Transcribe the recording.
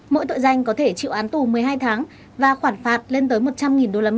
mỗi tội danh có thể chịu án tù một mươi hai tháng và khoản phạt lên tới một trăm linh usd